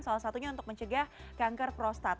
salah satunya untuk mencegah kanker prostat